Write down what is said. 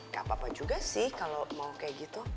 ga apa apa juga sih kalo mau kayak gitu